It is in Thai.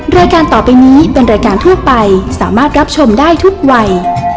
รายการต่อไปนี้เป็นรายการทั่วไปสามารถรับชมได้ทุกวัย